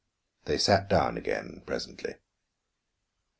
They sat down again, presently.